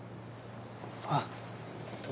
あっえっと。